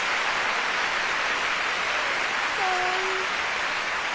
かわいい。